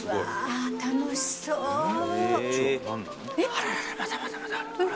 あるあるまだまだある。